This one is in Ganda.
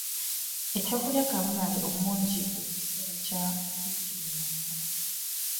Eky'okulya kaamulali omungi buli kaseera kyali kimuyamba.